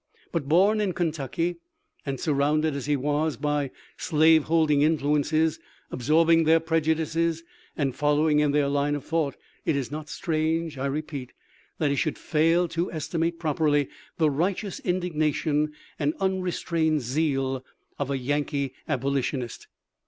But born in Kentucky, and surrounded as he was by slave holding influences, absorbing their prejudices and following in their line of thought, it is not strange, I repeat, that he should fail to esti mate properly the righteous indignation and unre strained zeal of a Yankee Abolitionist.